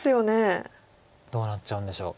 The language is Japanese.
どうなっちゃうんでしょう。